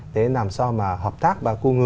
để làm sao mà hợp tác